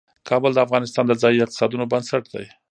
کابل د افغانستان د ځایي اقتصادونو بنسټ دی.